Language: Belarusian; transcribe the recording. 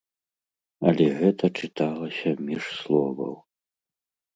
Але гэта чыталася між словаў.